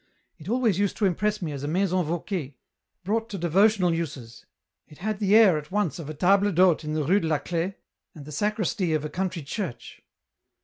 It always used to impress me as a Maison Vauquer, brought to devotional uses, it had the air at once of a table d^hote in the Rue de la Clef and the sacristy of a country church."